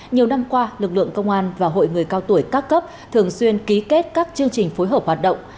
nhiều năm qua lực lượng công an và hội người cao tuổi các cấp thường xuyên ký kết các chương trình phối hợp hoạt động